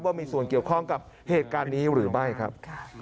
ว่ามีส่วนเกี่ยวข้องกับเหตุการณ์นี้หรือไม่ครับ